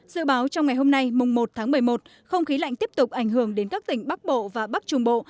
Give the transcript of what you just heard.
dự báo trong ngày hôm nay mùng một tháng một mươi một không khí lạnh tiếp tục ảnh hưởng đến các tỉnh bắc bộ và bắc trung bộ